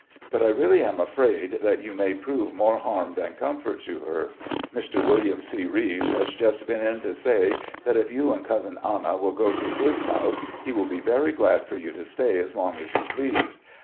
But I really am afraid that you may prove more harm than comfort to her. Mr. Wm. C. Rives has just been in to say that if you and Cousin Anna will go to his house, he will be very glad for you to stay as long as you please.